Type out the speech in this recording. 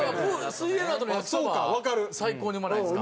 水泳のあとの焼きそば最高にうまないですか？